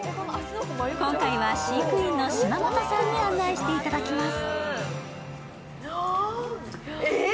今回は飼育員の島本さんに案内していただきます。